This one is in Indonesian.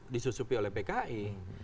disusupi oleh pki